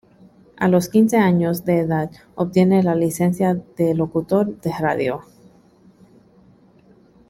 A los quince años de edad obtiene la licencia de locutor de radio.